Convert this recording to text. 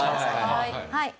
はい。